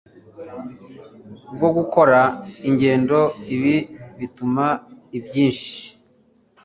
bwo gukora ingendo. Ibi bituma ibyinshi